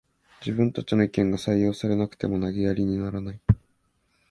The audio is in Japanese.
自分たちの意見が採用されなくても投げやりにならない